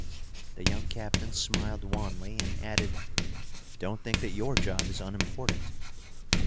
The young captain smiled wanly and added, "Don't think that your job is unimportant!"